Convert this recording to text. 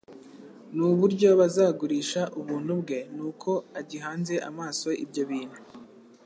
n'uburyo bazagurisha ubuntu bwe. Nuko agihanze amaso ibyo bintu,